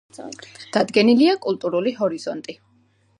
დადგენილია კულტურული ჰორიზონტი.